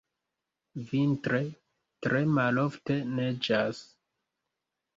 Vintre tre malofte neĝas.